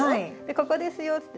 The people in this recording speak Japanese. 「ここですよ」って。